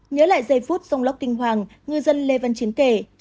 nhớ lại giây phút sông lóc kinh hoàng ngư dân lê văn chiến kể